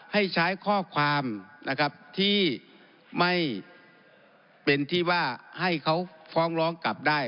ให้ใช้ข้อความนะครับที่ไม่เป็นที่ว่าให้เขาฟ้องร้องกลับได้